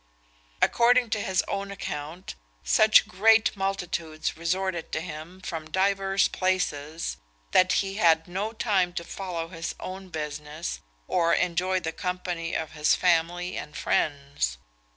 According to his own account, such great multitudes resorted to him from divers places, that he had no time to follow his own business, or enjoy the company of his family and friends.